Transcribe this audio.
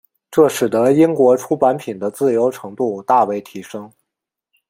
这使得英国出版品的自由程度大为提升。